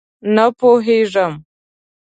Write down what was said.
_نه پوهېږم!